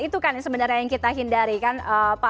itu kan sebenarnya yang kita hindari kan pak